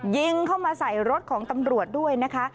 ยิงเข้ามาใส่รถของตำรวจด้วยนะคะ